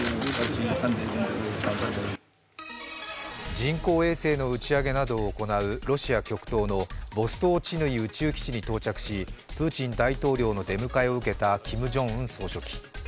人工衛星の打ち上げなどを行うロシア極東のボストーチヌイ宇宙基地に到着しプーチン大統領の出迎えを受けたキム・ジョンウン総書記。